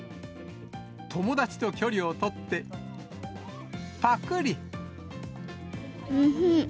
友達と距離を取って、ぱくり。